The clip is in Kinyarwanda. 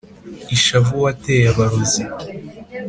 ishavu wateye abarozi